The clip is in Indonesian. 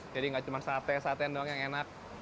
jadi nggak cuma sate saten doang yang enak